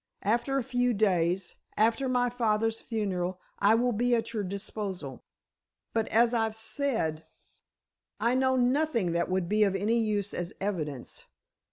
After a few days—after my father's funeral, I will be at your disposal. But as I've said, I know nothing that would be of any use as evidence.